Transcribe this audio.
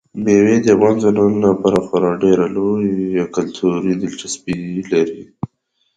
مېوې د افغان ځوانانو لپاره خورا ډېره لویه کلتوري دلچسپي لري.